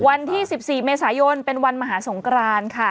วันที่๑๔เมษายนเป็นวันมหาสงกรานค่ะ